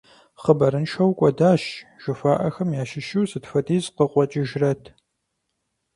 «Хъыбарыншэу кӀуэдащ», жыхуаӀахэм ящыщу сыт хуэдиз къыкъуэкӀыжрэт?